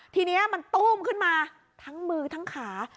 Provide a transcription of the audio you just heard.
ทีนี้มันตู้มขึ้นมาทั้งมือทั้งขา